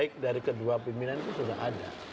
baik dari kedua pimpinan itu sudah ada